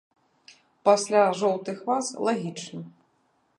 Пасля жоўтых ваз лагічна.